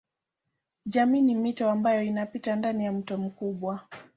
Jamii ni mito ambayo inapita ndani ya mto mkubwa.